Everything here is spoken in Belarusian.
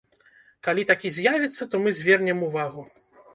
Калі такі з'явіцца, то мы звернем увагу.